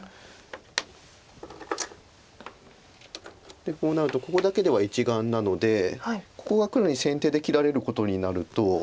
でこうなるとここだけでは１眼なのでここが黒に先手で切られることになると。